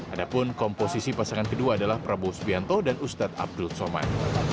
adapun komposisi pasangan kedua adalah prabowo subianto dan ustadz abdul somad